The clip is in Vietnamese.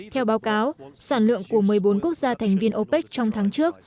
theo báo cáo sản lượng của một mươi bốn quốc gia thành viên opec trong tháng trước